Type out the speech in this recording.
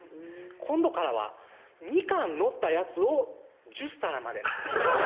「今度からは２貫載ったやつを１０皿までな」